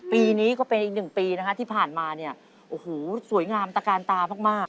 ปีนี้ก็เป็นอีกหนึ่งปีนะฮะที่ผ่านมาเนี่ยโอ้โหสวยงามตะกานตามาก